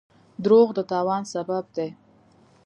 دروغ د تاوان سبب دی.